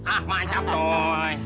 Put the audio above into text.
ah mantap toi